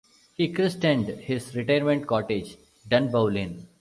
He christened his retirement cottage "Dunbowlin'".